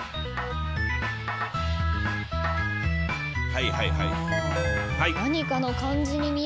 はいはいはい。